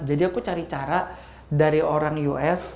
jadi aku cari cara dari orang us